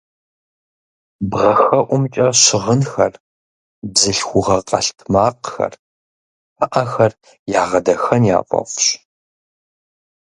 Бгъэхэӏухэмкӏэ щыгъынхэр, бзылъхугъэ къэлътмакъхэр, пыӏэхэр ягъэдахэн яфӏэфӏщ.